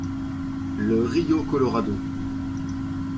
Le Rio-Colorado